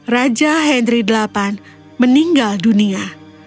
raja henry delapan meninggal dunia